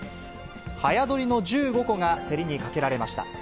早どりの１５個が競りにかけられました。